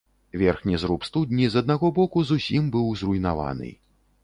Верхні зруб студні з аднаго боку зусім быў зруйнаваны.